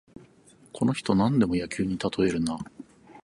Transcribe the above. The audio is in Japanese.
この人、なんでも野球にたとえるな